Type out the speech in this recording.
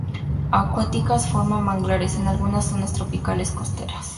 Acuáticas, forma manglares en algunas zonas tropicales costeras.